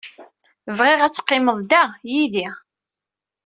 Bɣiɣ ad teqqimed da, yid-i.